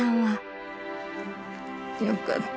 よかった。